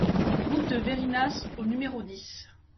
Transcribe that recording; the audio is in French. Route de Veyrinas au numéro dix